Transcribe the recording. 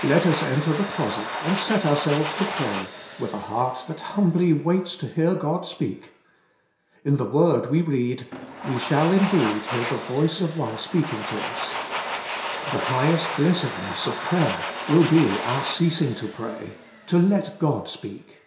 Let US enter the closet, and set ourselves to pray, with a heart that humbly waits to hear God speak; in the Word we read ; we shall indeed hear the Voice of One speaking to us. The highest blessedness of prayer will be our ceasing to pray, to let God speak.